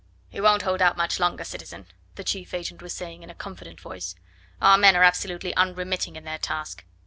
"He won't hold out much longer, citizen," the chief agent was saying in a confident voice; "our men are absolutely unremitting in their task.